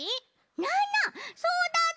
ななそうだった！